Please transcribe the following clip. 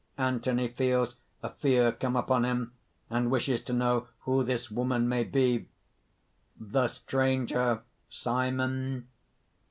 _ Anthony feels a fear come upon him, and wishes to know who this woman may be.) THE STRANGER SIMON.